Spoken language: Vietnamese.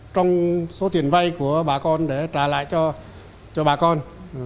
trong số tiền vay của bà con để trả lại cho bà con